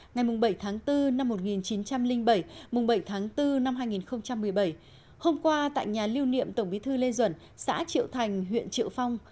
năm một nghìn chín trăm linh bảy mùng bảy tháng bốn năm hai nghìn một mươi bảy hôm qua tại nhà lưu niệm tổng bí thư lê duẩn xã triệu thành huyện triệu phong